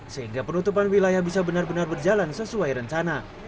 sehingga penutupan wilayah bisa benar benar berjalan sesuai rencana